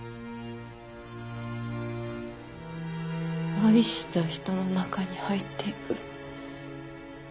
愛した人の中に入っていく。